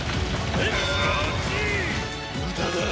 無駄だ。